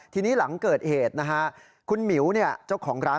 ทีนี้หลังเกิดเหตุนะฮะคุณหมิ๋วเจ้าของร้าน